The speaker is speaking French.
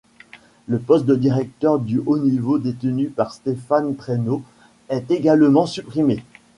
Le poste de directeur du haut niveau détenu par Stéphane Traineau est également supprimé.